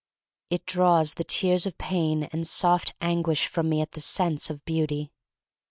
It draws the tears of pain and soft anguish from me at the sense of beauty.